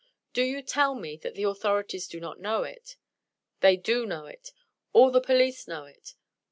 Do you tell me that the authorities do not know it? They do know it. All the police know it.